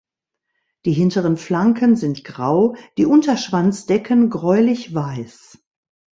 Die hinteren Flanken sind grau, die Unterschwanzdecken gräulich-weiß.